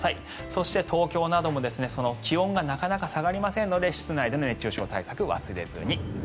そして、東京なども気温がなかなか下がりませんので室内での熱中症対策忘れずに。